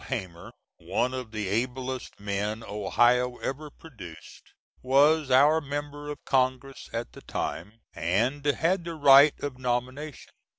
Hamer, one of the ablest men Ohio ever produced, was our member of Congress at the time, and had the right of nomination.